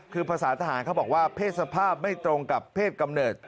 คือภาษาทหารเขาบอกว่าเพศสภาพไม่ตรงกับเพศกำเนิด